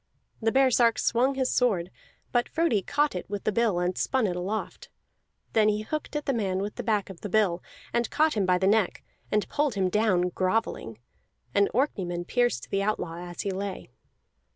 The baresark swung his sword, but Frodi caught it with the bill and spun it aloft; then he hooked at the man with the back of the bill, and caught him by the neck, and pulled him down grovelling. An Orkneyman pierced the outlaw as he lay.